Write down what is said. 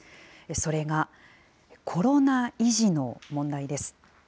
それが、コロナ遺児の問題です。